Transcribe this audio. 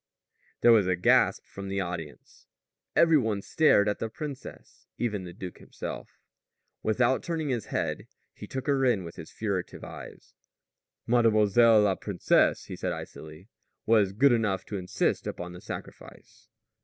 There was a gasp from the audience. Every one stared at the princess. Even the duke himself. Without turning his head he took her in with his furtive eyes. "Mlle. la Princess," he said icily, "was good enough to insist upon the sacrifice."